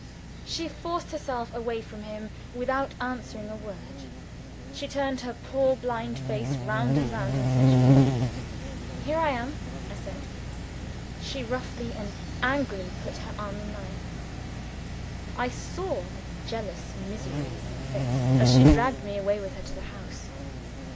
She forced herself away from him without answering a word. She turned her poor blind face round and round, in the search for me. "Here I am!" I said. She roughly and angrily put her arm in mine. I saw the jealous misery in her face as she dragged me away with here to the house.